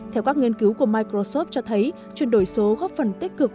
theo các nghiên cứu của microsoft cho thấy chuyển đổi số góp phần tích cực